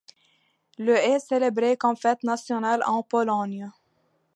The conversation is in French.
Le est célébré comme fête nationale en Pologne.